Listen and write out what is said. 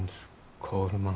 コールマン。